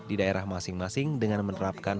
di daerah masing masing dengan menerapkan